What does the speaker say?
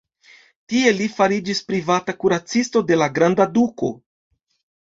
Tie li fariĝis privata kuracisto de la granda duko.